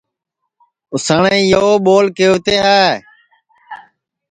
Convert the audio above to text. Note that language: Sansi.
اُساٹؔے یو ٻول کَیوتے ہے